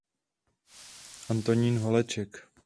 Antonín Holeček.